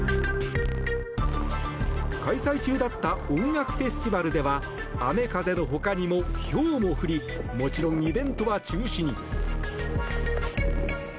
開催中だった音楽フェスティバルでは雨風の他にも、ひょうも降りもちろんイベントは中止に。